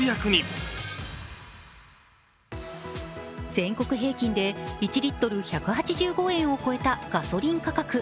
全国平均で１リットル１８５円を超えたガソリン価格。